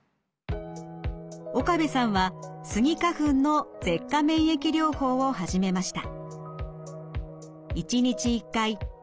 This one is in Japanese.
岡部さんはスギ花粉の舌下免疫療法を始めました。